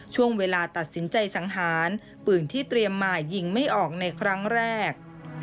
ช่วงเวลาตัดสินใจสังหารปืนที่เตรียมมายิงไม่ออกในครั้งแรก